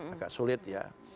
agak sulit ya